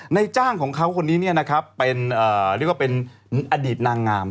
ในจ้างของเขาคนนี้เนี่ยนะครับเป็นเรียกว่าเป็นอดีตนางงาม